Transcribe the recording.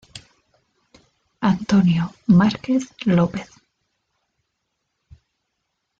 Antonio Márquez López.